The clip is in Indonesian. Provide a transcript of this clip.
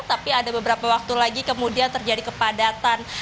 tapi ada beberapa waktu lagi kemudian terjadi kepadatan